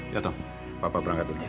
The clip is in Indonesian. ya tom papa berangkat dulu ya